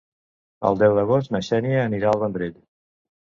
El deu d'agost na Xènia anirà al Vendrell.